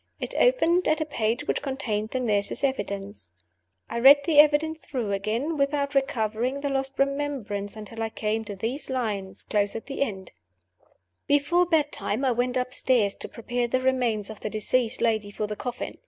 It opened at a page which contained the nurse's evidence. I read the evidence through again, without recovering the lost remembrance until I came to these lines close at the end: "Before bed time I went upstairs to prepare the remains of the deceased lady for the coffin.